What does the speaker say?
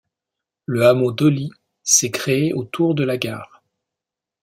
Le hameau d'Olly s'est créé autour de la gare.